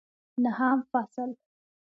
نهم فصل